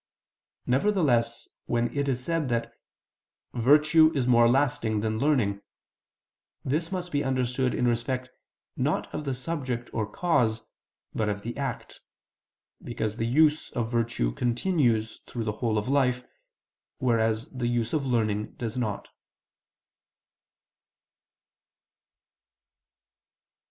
Nevertheless when it is said that "virtue is more lasting than learning," this must be understood in respect, not of the subject or cause, but of the act: because the use of virtue continues through the whole of life, whereas the use of learning does not.